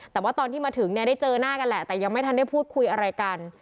แต่ว่าตอนที่มาถึงเนี่ยได้เจอหน้ากันแหละแต่ยังไม่ทันได้พูดคุยอะไรกัน